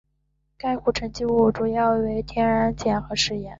该湖的沉积物主要为天然碱和石盐。